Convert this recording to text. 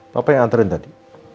papa yang anterin tadi